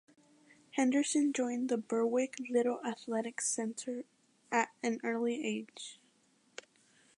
Henderson joined the Berwick Little Athletics Centre at an early age.